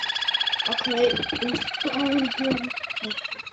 შიხანი უნიკალური გეოლოგიური ბუნების ძეგლია.